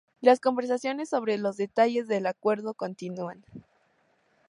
Las conversaciones sobre los detalles del acuerdo continúan.